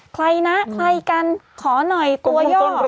ใครนะใครกันขอหน่อยตัวย่อ